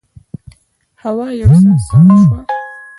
هوا یو څه سړه شوه.